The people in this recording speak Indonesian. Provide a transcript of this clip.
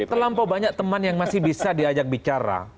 terlampau banyak teman yang masih bisa diajak bicara